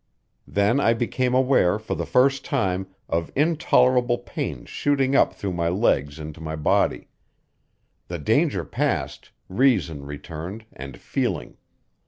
Then I became aware, for the first time, of intolerable pains shooting up through my legs into my body. The danger past, reason returned and feeling.